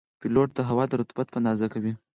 پیلوټ د هوا د رطوبت اندازه کوي.